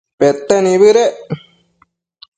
pete nibëdec